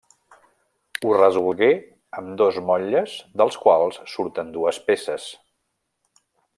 Ho resolgué amb dos motlles dels quals surten dues peces.